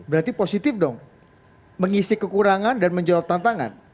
berarti positif dong mengisi kekurangan dan menjawab tantangan